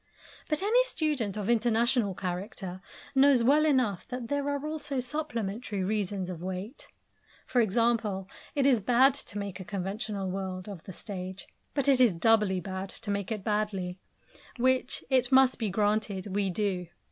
But any student of international character knows well enough that there are also supplementary reasons of weight. For example, it is bad to make a conventional world of the stage, but it is doubly bad to make it badly which, it must be granted, we do.